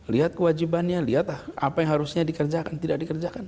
lihat kewajibannya lihat apa yang harusnya dikerjakan tidak dikerjakan